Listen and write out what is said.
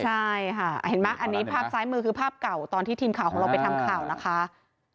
ใช่อันนี้ภาพซ้ายมือคือภาพเก่าตอนที่ทีมข่าวของเราไปทำข่าว